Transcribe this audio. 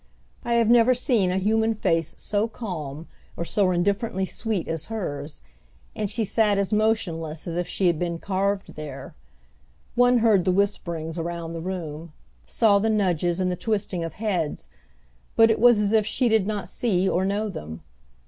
I have never seen a human face so calm or so indifferently sweet as hers, and she sat as motionless as if she had been carved there. One heard the whisperings around the room, saw the nudges and the twisting of heads, but it was as if she did not see or know them.